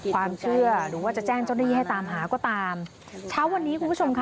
ความเชื่อหรือว่าจะแจ้งเจ้าหน้าที่ให้ตามหาก็ตามเช้าวันนี้คุณผู้ชมค่ะ